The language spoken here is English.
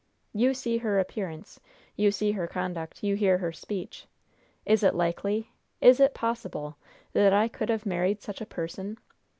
You see her appearance; you see her conduct; you hear her speech; is it likely is it possible that I could have married such a person?